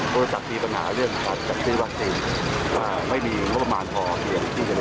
ไม่ได้แจ้งแล้วทำให้เกิดเสียชีวิต